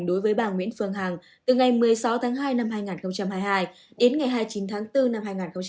đối với bà nguyễn phương hằng từ ngày một mươi sáu tháng hai năm hai nghìn hai mươi hai đến ngày hai mươi chín tháng bốn năm hai nghìn hai mươi